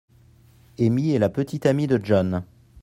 Amy est la petite amie de John.